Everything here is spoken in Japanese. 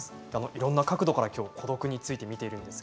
いろんな角度から孤独について見ています。